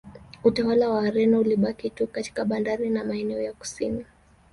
Utawala wa Wareno ulibakia tu katika bandari na maeneo ya kusini